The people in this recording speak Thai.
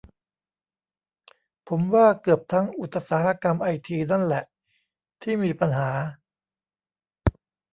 ผมว่าเกือบทั้งอุตสาหกรรมไอทีนั่นแหละที่มีปัญหา